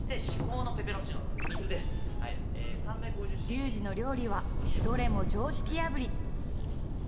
リュウジの料理はどれも常識破り。